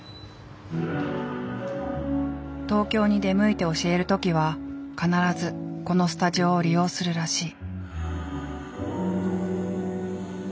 東京に出向いて教える時は必ずこのスタジオを利用するらしい。